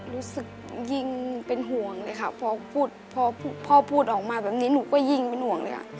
รู้สึกยิ่งเป็นห่วงเลยค่ะพอพ่อพูดออกมาแบบนี้หนูก็ยิ่งเป็นห่วงเลย